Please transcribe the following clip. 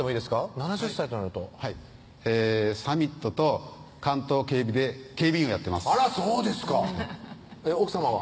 ７０歳となるとサミットと関東警備で警備員をやってますあらそうですか奥さまは？